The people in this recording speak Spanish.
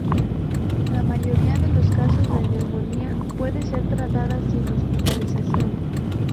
La mayoría de los casos de neumonía puede ser tratada sin hospitalización.